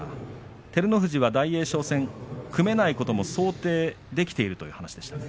照ノ富士は大栄翔戦、組めないことも想定できているという話でしたね。